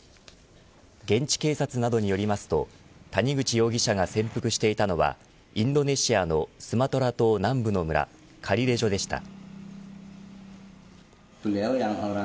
現地警察などによりますと谷口容疑者が潜伏していたのはインドネシアのスマトラ島南部の村カリレジョでした。